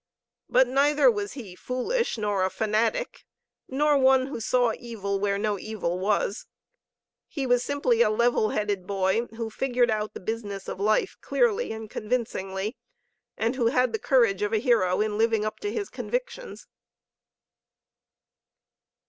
But neither was he foolish, nor a fanatic, nor one who saw evil where no evil was. He was simply a level headed boy, who figured out the business of life clearly and convincingly, and who had the courage of a hero in living up to his convictions.